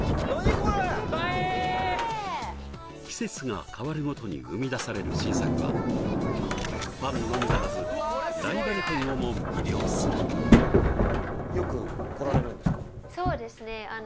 これ季節が変わるごとに生み出される新作はファンのみならずライバル店をも魅了するそうですね